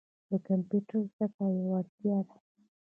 د کمپیوټر زده کړه یوه اړتیا ده.